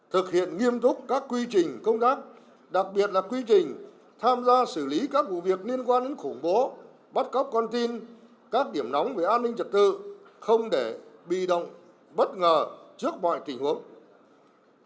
thực hiện nghiêm túc các quy trình công tác đặc biệt là quy trình tham gia xử lý các vụ việc liên quan đến khủng bố bắt cóc con tin các điểm nóng về an ninh trật tự không để bị động bất ngờ trước mọi tình huống